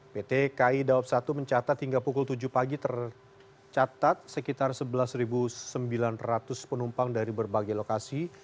pt kai dawab satu mencatat hingga pukul tujuh pagi tercatat sekitar sebelas sembilan ratus penumpang dari berbagai lokasi